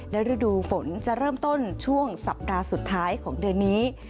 และฤดูฝนจะเริ่มต้นช่วงสัปดาห์สุดท้ายของเดือนนี้